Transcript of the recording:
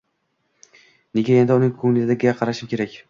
Nega endi uning ko`ngliga qarashim kerak